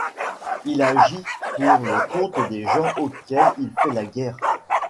Il agit pour le compte des gens auxquels il fait la guerre.